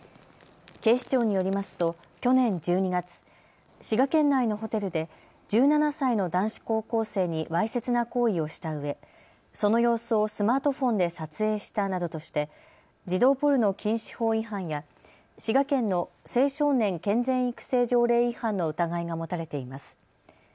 警視庁によりますと去年１２月、滋賀県内のホテルで１７歳の男子高校生にわいせつな行為をしたうえ、その様子をスマートフォンで撮影したなどとして児童ポルノ禁止法違反や滋賀県の青少年健全育成条例違反の疑いが持たれています。